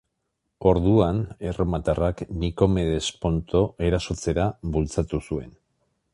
Orduan, erromatarrak Nikomedes Ponto erasotzera bultzatu zuen.